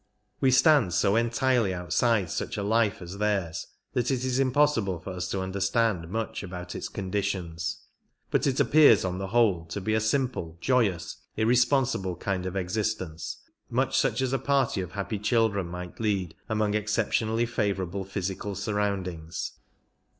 We stand so en tirely outside such a life as theirs that it is impossible for us to understand much about its conditions ; but it appears on 6i the whole to be a simple, joyous, irresponsible kind of existence, much such as a party of happy children might lead among exceptionally favourable physical surroundings.